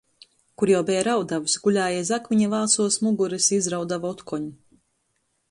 Kur jau beja rauduojs, gulēja iz akmiņa vāsuos mugorys i izarauduoja otkon.